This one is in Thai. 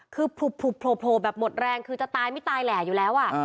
คือพูพูโพโพแบบหมดแรงคือจะตายไม่ตายแหล่อยู่แล้วอ่ะ